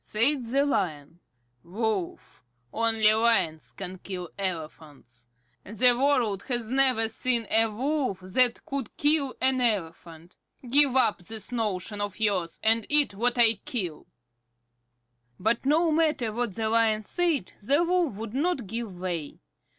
Said the Lion: "Wolf, only Lions can kill elephants. The world has never seen a Wolf that could kill an elephant. Give up this notion of yours, and eat what I kill." But no matter what the Lion said, the Wolf would not give way.